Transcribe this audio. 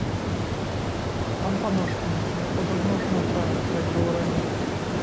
Там, паночку, не падобна ўжо на тое, як было раней.